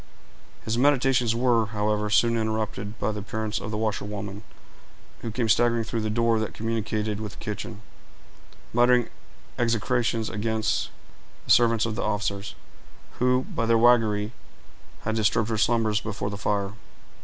His meditations were, however, soon interrupted by the appearance of the washerwoman, who came staggering through the door that communicated with the kitchen, muttering execrations against the servants of the officers, who, by their waggery, had disturbed her slumbers before the fire.